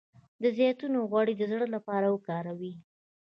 د زیتون غوړي د زړه لپاره وکاروئ